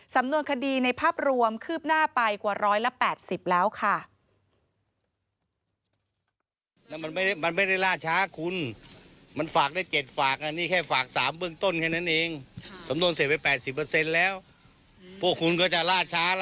สำนวนคดีในภาพรวมคืบหน้าไปกว่า๑๘๐แล้วค่ะ